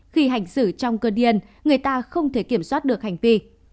khi hành xử trong cơn điền người ta không thể kiểm soát được hành vi